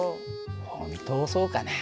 本当そうかな？